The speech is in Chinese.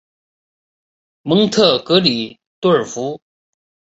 蒙特格里多尔福。